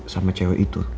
sama cewek itu